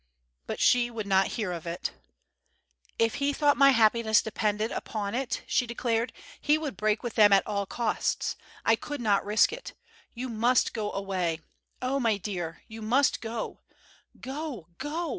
But she would not hear of it. "If he thought my happiness depended on it," she declared, "he would break with them at all costs. I could not risk it. You must go away. Oh, my dear, you must go. Go, go!"